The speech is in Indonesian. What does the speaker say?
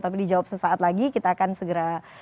tapi dijawab sesaat lagi kita akan segera